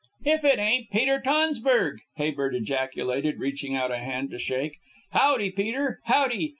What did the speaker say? "If it ain't Peter Tonsburg!" Habert ejaculated, reaching out a hand to shake. "Howdy, Peter, howdy.